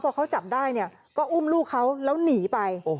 พอเขาจับได้เนี่ยก็อุ้มลูกเขาแล้วหนีไป